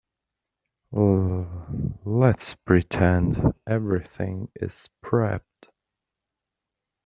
Let's pretend everything is prepped.